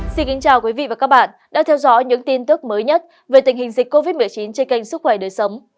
xin kính chào quý vị và các bạn đã theo dõi những tin tức mới nhất về tình hình dịch covid một mươi chín trên kênh sức khỏe đời sống